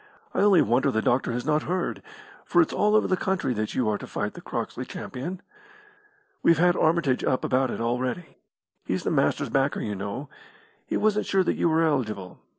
I only wonder the doctor has not heard, for it's all over the country that you are to fight the Croxley Champion. We've had Armitage up about it already. He's the Master's backer, you know. He wasn't sure that you were eligible.